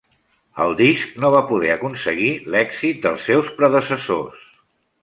El disc no va poder aconseguir l'èxit dels seus predecessors.